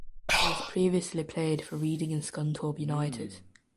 He has previously played for Reading and Scunthorpe United.